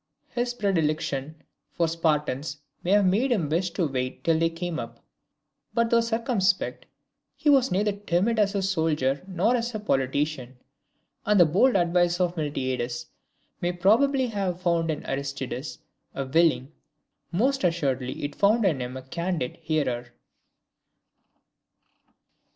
His predilection for the Spartans may have made him wish to wait till they came up; but, though circumspect, he was neither timid as a soldier nor as a politician; and the bold advice of Miltiades may probably have found in Aristides a willing, most assuredly it found in him a candid, hearer.